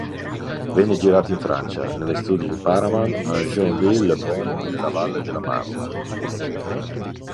Venne girato in Francia, negli studi Paramount a Joinville-le-Pont nella Valle della Marna.